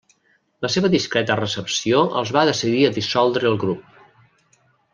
La seva discreta recepció els va decidir a dissoldre el grup.